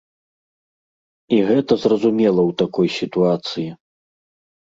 І гэта зразумела ў такой сітуацыі.